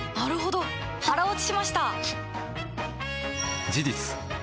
腹落ちしました！